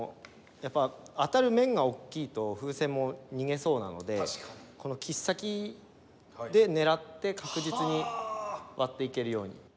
やっぱ当たる面が大きいと風船も逃げそうなのでこの切っ先で狙って確実に割っていけるように。